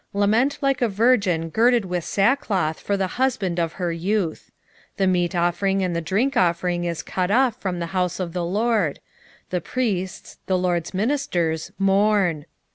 1:8 Lament like a virgin girded with sackcloth for the husband of her youth. 1:9 The meat offering and the drink offering is cut off from the house of the LORD; the priests, the LORD's ministers, mourn.